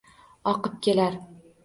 Oqib kelar